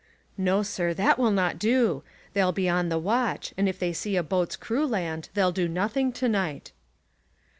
"No, sir; that will not do. They'll be on the watch, and if they see a boat's crew land, they'll do nothing to night."